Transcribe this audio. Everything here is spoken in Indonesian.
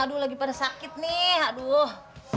aduh lagi pada sakit nih aduh